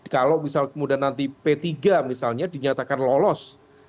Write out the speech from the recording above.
kalau misal kemudian nanti p tiga misalnya dinyatakan lolos